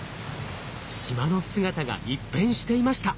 島の姿が一変していました。